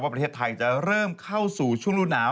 ประเทศไทยจะเริ่มเข้าสู่ช่วงรูหนาว